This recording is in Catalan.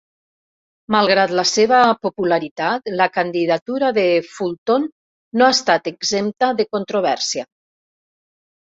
Malgrat la seva popularitat, la candidatura de Fulton no ha estat exempta de controvèrsia.